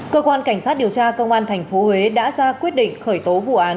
cơ quan cảnh sát điều tra công an tp huế đã ra quyết định khởi tố vụ án